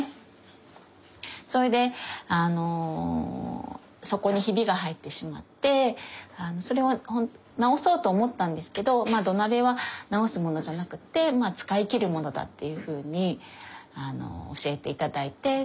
それで底にヒビが入ってしまってそれを直そうと思ったんですけど「土鍋は直すものじゃなくて使いきるものだ」っていうふうに教えて頂いて。